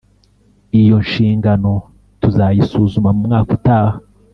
Iyo nshingano tuzayisuzuma mumwaka utaha